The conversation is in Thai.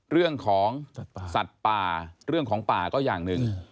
เรื่องของสัตว์ป่าเรื่องของป่าก็อย่างหนึ่ง